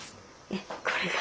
えこれが。